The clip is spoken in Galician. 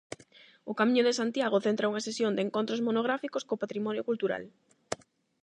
O Camiño de Santiago centra unha sesión de "Encontros monográficos co Patrimonio Cultural".